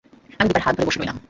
আমি দিপার হাত ধরে বসে রইলাম।